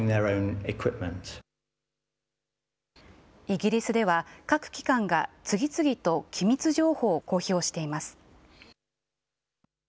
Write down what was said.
イギリスでは各機関が次々と機密情報を公表しています。